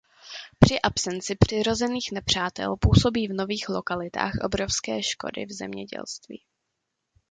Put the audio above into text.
Při absenci přirozených nepřátel působí v nových lokalitách obrovské škody v zemědělství.